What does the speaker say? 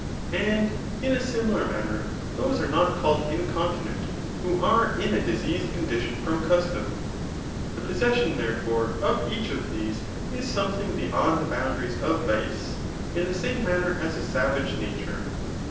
And in a similar manner those are not called incontinent, who are in a diseased condition from custom. The possession, therefore, of each of these, is something beyond the boundaries of vice, in the same manner as a savage nature.